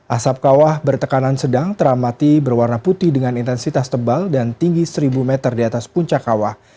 asap kawah bertekanan sedang teramati berwarna putih dengan intensitas tebal dan tinggi seribu meter di atas puncak kawah